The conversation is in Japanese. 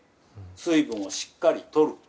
水分をしっかりとる。